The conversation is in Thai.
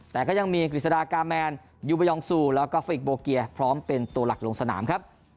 แต่ก็ยังมีกฤษฎากาแมนยูบยองซูแล้วก็ฟิกโบเกียร์พร้อมเป็นตัวหลักลงสนามครับ